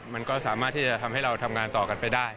มันก็สามารถที่จะทำให้เราทำงานต่อกันไปได้